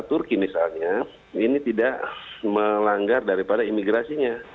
turki misalnya ini tidak melanggar daripada imigrasinya